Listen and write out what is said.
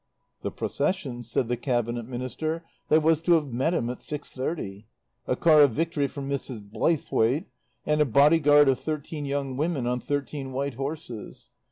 "The Procession," said the Cabinet Minister, "that was to have met 'em at six thirty. A Car of Victory for Mrs. Blathwaite, and a bodyguard of thirteen young women on thirteen white horses.